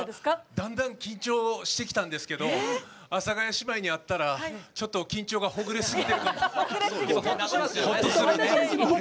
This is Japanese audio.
だんだん緊張してきたんですけど阿佐ヶ谷姉妹に会ったらちょっと緊張がほぐれすぎて。